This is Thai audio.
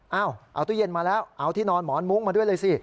เอาเอาตู้เย็นมาแล้วเอาที่นอนหมอนมุ้งมาด้วยเลยสิ